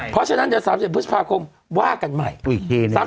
เพราะฉะนั้นเดี๋ยว๓๑พฤษภาคมว่ากันใหม่